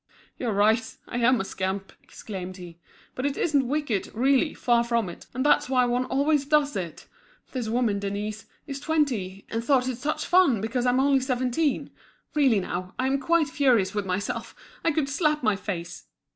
"You're right; I'm a scamp," exclaimed he. "But it isn't wicked, really, far from it, and that's why one always does it! This woman, Denise, is twenty, and thought it such fun, because I'm only seventeen. Really now! I am quite furious with myself! I could slap my face!"